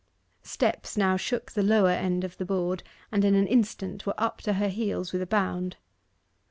Steps now shook the lower end of the board, and in an instant were up to her heels with a bound.